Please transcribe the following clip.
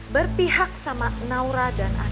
berpihak sama naura dan adik